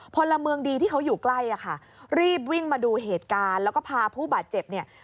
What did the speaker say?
พลเมืองดีที่เขาอยู่ใกล้อ่ะค่ะรีบวิ่งมาดูเหตุการณ์แล้วก็พาผู้บาดเจ็บเนี่ย